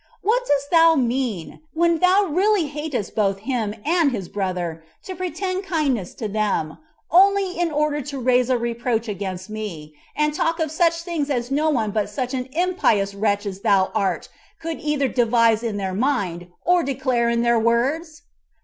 And what dost thou mean, when thou really hatest both him and his brother, to pretend kindness to them, only in order to raise a reproach against me, and talk of such things as no one but such an impious wretch as thou art could either devise in their mind, or declare in their words?